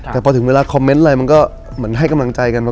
แต่พอถึงเวลาคอมเมนต์อะไรมันก็เหมือนให้กำลังใจกัน